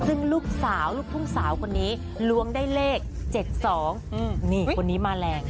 ซึ่งลูกสาวลูกทุ่งสาวคนนี้ล้วงได้เลข๗๒นี่คนนี้มาแรง